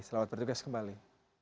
selamat bertugas kembali